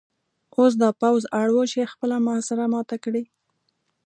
اوس دا پوځ اړ و چې خپله محاصره ماته کړي